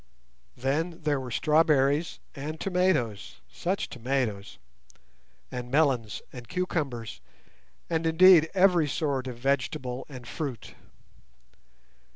Then there were strawberries and tomatoes (such tomatoes!), and melons and cucumbers, and, indeed, every sort of vegetable and fruit.